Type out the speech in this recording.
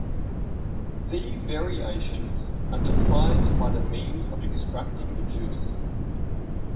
These variations are defined by the means of extracting the juice.